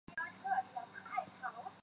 萨伏伊王朝第六任国王。